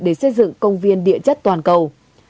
để xây dựng công viên địa chất toàn cầu